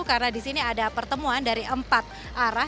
karena disini ada pertemuan dari empat arah